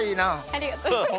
ありがとうございます。